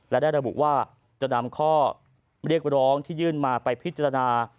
และได้ระบุว่าจะนำข้อเรียกร้องที่ยื่นมาไปพิจารณา